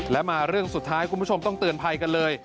และมาเรื่องสุดท้ายคุณผู้ชมต้องเตือนภัยกันเลย